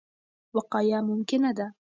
وقایه ممکنه ده.